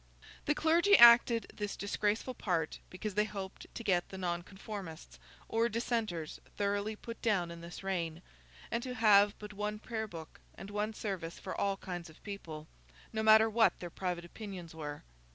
The clergy acted this disgraceful part because they hoped to get the nonconformists, or dissenters, thoroughly put down in this reign, and to have but one prayer book and one service for all kinds of people, no matter what their private opinions were.